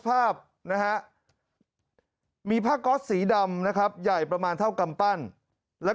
ภาพนะฮะมีผ้าก๊อตสีดำนะครับใหญ่ประมาณเท่ากำปั้นแล้ว